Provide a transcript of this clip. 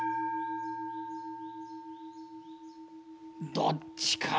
どっちかな？